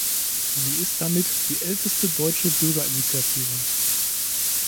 Sie ist damit die älteste deutsche Bürgerinitiative.